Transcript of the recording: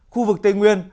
khu vực tây nguyên